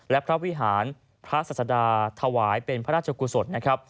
และพระวิหารพระศาสดาถวายเป็นพระราชกุศลนะครับ